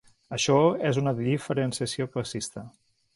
Això és una diferenciació classista.